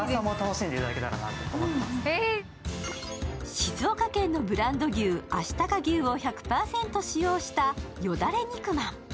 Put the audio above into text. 静岡県のブランド牛あしたか牛を１００％使用したよだれ肉まん。